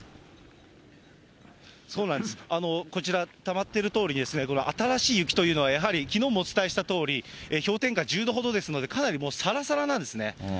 そうなんです、こちら、たまっているとおり、新しい雪というのはやはり、きのうもお伝えしたとおり、氷点下１０度ほどですので、かなりもうさらさらなんですね。